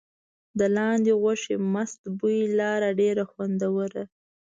د لاندي غوښې مست بوی لاره ډېر خوندور.